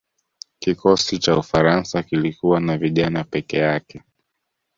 kikosi cha ufaransa kilikuwa na vijana peke yake